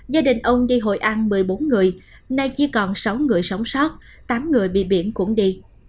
gia đình ông đi hội an một mươi bốn người nay chỉ còn sáu người sống sót tám người bị biển cũng đi